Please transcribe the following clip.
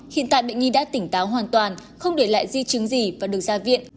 hiện tại bệnh nhi đã tỉnh táo hoàn toàn không để lại di chứng gì và được ra viện